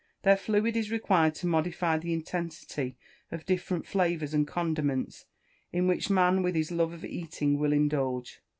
Their fluid is required to modify the intensity of different flavours and condiments in which man, with his love of eating, will indulge.